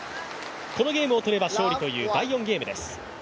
このゲームを取れば勝利という第４ゲームです。